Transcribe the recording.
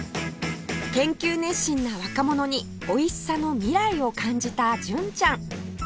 研究熱心な若者においしさの未来を感じた純ちゃん